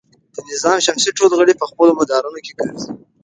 د نظام شمسي ټول غړي په خپلو مدارونو کې ګرځي.